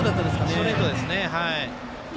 ストレートですね。